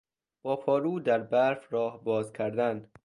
با پارو در برف راه باز کردن